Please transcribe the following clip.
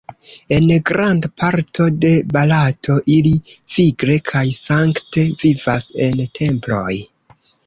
En granda parto de Barato ili vigle kaj sankte vivas en temploj.